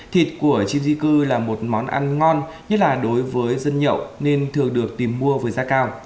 thịt của chim di cư là một món ăn ngon nhất là đối với dân nhậu nên thường được tìm mua với giá cao